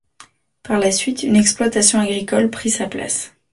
Par la suite, une exploitation agricole prit sa place.